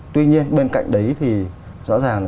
tuy nhiên bên cạnh đấy thì rõ ràng là